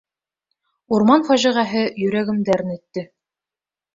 Урман фажиғәһе йөрәгемде әрнетте.